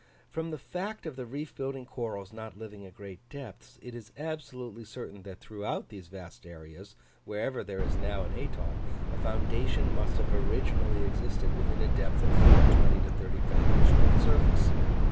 From the fact of the reef building corals not living at great depths, it is absolutely certain that throughout these vast areas, wherever there is now an atoll, a foundation must have originally existed within a depth of from 20 to 30 fathoms from the surface.